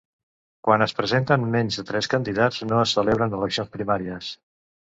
Quan es presenten menys de tres candidats, no se celebren eleccions primàries.